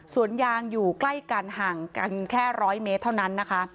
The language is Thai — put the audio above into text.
สวนยางอยู่ใกล้กันห่างกันแค่๑๐๐เมตรเท่านั้นนะคะ